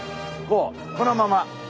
こうこのまま。